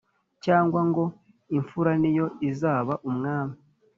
cyangwa ngo imfura niyo izaba umwami.